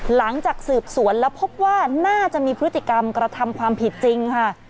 หลังจากสืบสวนแล้วพบว่าน่าจะมีพฤติกรรมกระทำความผิดจริงค่ะ